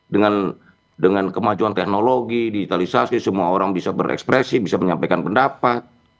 dengan kemajuan teknologi digitalisasi semua orang bisa berekspresi bisa menyampaikan pendapat